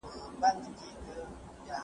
عملي ټولنپوهان خپلې ارزونې نورو ته سپاري.